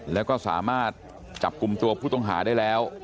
แล้วก็สามารถจับกลุ่มตัวผู้ต้องหาได้แล้ว